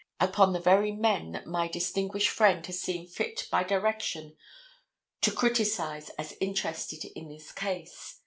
Upon the very men that my distinguished friend has seen fit by direction to criticise as interested in this case.